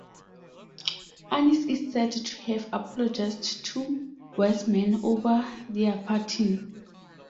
Annis is said to have "apologised to Wiseman" over their parting.